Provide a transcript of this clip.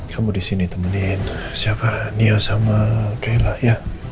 kamu disini temenin siapa nios sama kayla ya